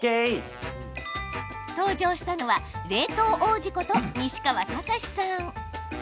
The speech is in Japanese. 登場したのは冷凍王子こと西川剛史さん。